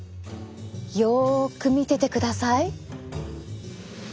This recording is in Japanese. よく見ててください！